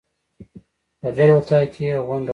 په بل اطاق کې یې غونډه وه.